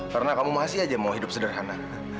karena kamu masih aja mau hidup sederhana